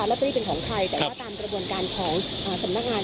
ลอตเตอรี่เป็นของใครแต่ว่าตามกระบวนการของสำนักงาน